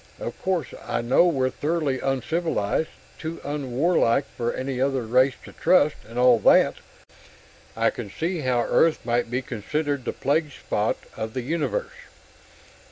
Of course, I know we're thoroughly uncivilized and too warlike for any other race to trust, and all that. I can see how Earth might be considered the plague spot of the universe...."